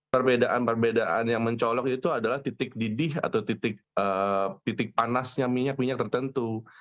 perbedaan perbedaan yang mencolok itu adalah titik didih atau titik panasnya minyak minyak tertentu